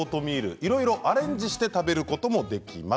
いろいろアレンジして食べることもできます。